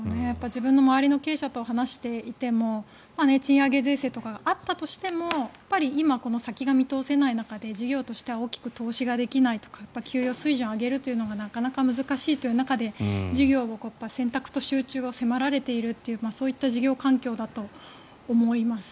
自分の周りの経営者と話していても賃上げ税制とかがあったとしても今、この先が見通せない中では事業としては大きく投資ができないとか給与水準を上げるのがなかなか難しい中で事業を選択と集中を迫られているというそういった事業環境だと思います。